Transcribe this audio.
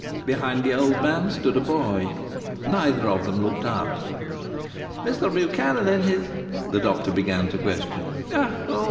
Behind the old man stood a boy. Neither of them looked up. "Mr Buchanan in his " the doctor began to question. "Oh!